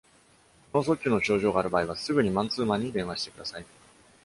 脳卒中の症状がある場合は、すぐにマンツーマンに電話してください。